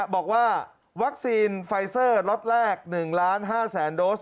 บอกว่าวัคซีนไฟซอร์ล็อตแรก๑๕๐๐๐๐๐โดส